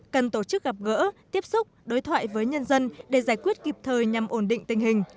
cần tổ chức gặp gỡ tiếp xúc đối thoại với nhân dân để giải quyết kịp thời nhằm ổn định tình hình